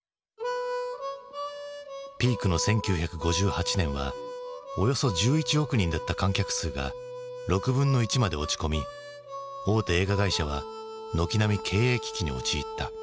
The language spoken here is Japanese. ピークの１９５８年はおよそ１１億人だった観客数が６分の１まで落ち込み大手映画会社は軒並み経営危機に陥った。